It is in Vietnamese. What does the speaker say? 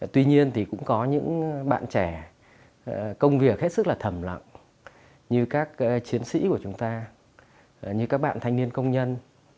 tuy nhiên thì cũng có những bạn trẻ công việc hết sức là thầm lặng như các chiến sĩ của chúng ta như các bạn thanh niên công nhân